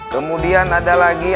kemudian ada lagi